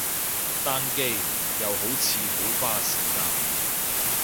單機，又好似好花時間